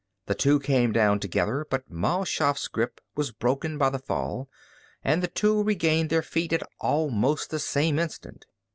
The two came down together, but Mal Shaff's grip was broken by the fall and the two regained their feet at almost the same instant.